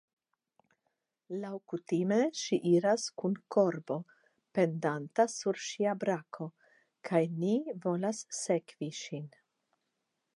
Laŭkutime ŝi iras kun korbo pendanta sur ŝia brako, kaj ni volas sekvi ŝin.